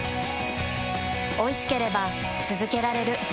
おいしければつづけられる。